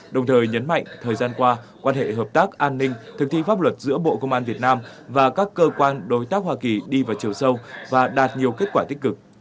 đồng thời nhấn mạnh thời gian qua quan hệ hợp tác an ninh thực thi pháp luật giữa bộ công an việt nam và các cơ quan đối tác hoa kỳ đi vào chiều sâu và đạt nhiều kết quả tích cực